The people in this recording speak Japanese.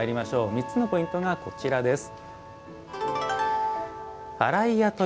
３つのポイントがこちらです。